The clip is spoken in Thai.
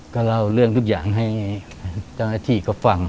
ก็เล่าเรื่องทุกอย่างให้เจ้าหน้าที่เขาฟัง